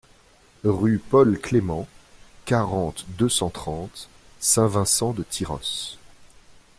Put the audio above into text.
Rue Paul Clément, quarante, deux cent trente Saint-Vincent-de-Tyrosse